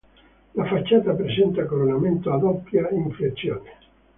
La facciata presenta coronamento a doppia inflessione.